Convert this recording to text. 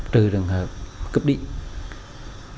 trừ đường hợp cấp định